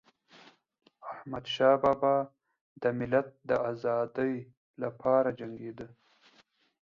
احمدشاه بابا د ملت د ازادی لپاره جنګيده.